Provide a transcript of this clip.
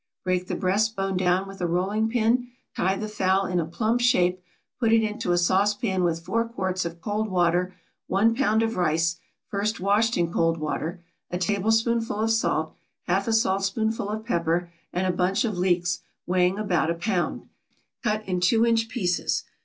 break the breast bone down with a rolling pin, tie the fowl in a plump shape, put it into a sauce pan with four quarts of cold water, one pound of rice, first washed in cold water, a tablespoonful of salt, half a saltspoonful of pepper, and a bunch of leeks weighing about a pound, cut in two inch pieces.